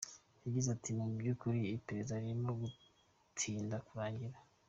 Yagize ati “Mu by’ ukuri iperereza ririmo gutinda kurangira.